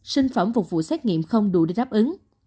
sinh phẩm phục vụ xét nghiệm không đủ để đáp ứng